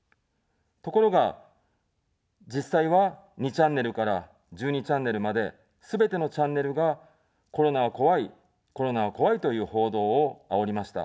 ところが、実際は２チャンネルから１２チャンネルまで、すべてのチャンネルがコロナは怖い、コロナは怖いという報道をあおりました。